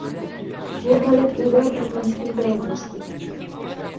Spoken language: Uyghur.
بۇ ھالەت ئۇدا بىر قانچە كۈن داۋاملاشتى.